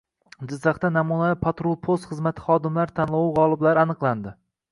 Jizzaxda “Namunali patrul-post xizmati xodimlari” tanlovi g‘oliblari aniqlandi